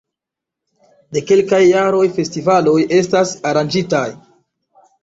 De kelkaj jaroj festivaloj estas aranĝitaj.